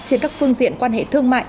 trên các phương diện quan hệ thương mại